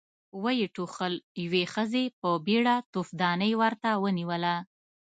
ويې ټوخل، يوې ښځې په بيړه توفدانۍ ورته ونېوله.